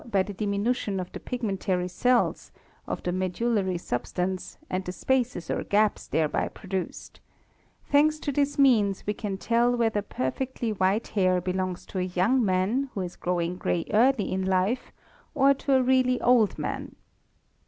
by the diminution of the pigmentary cells, of the medullary substance, and the spaces or gaps thereby produced; thanks to this means we can tell whether perfectly white hair belongs to a young man who is growing grey early in life or toa really old man.